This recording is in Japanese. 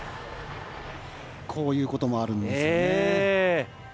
こういうこともあるんですね。